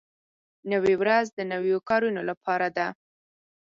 نوې ورځ د نویو کارونو لپاره ده